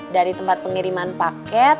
dari tempat pengiriman paket